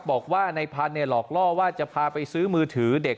บอกว่าในพันธุ์หลอกล่อว่าจะพาไปซื้อมือถือเด็ก